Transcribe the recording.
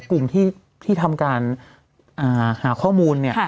กลุ่มที่ทำการหาข้อมูล